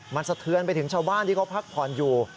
มันสะเทือนไปถึงชาวบ้านที่เขาพักผ่อนอยู่